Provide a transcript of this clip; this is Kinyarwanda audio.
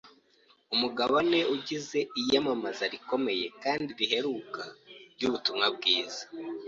umugabane ugize iyamamaza rikomeye kandi riheruka ry’Ubutumwa bwiza.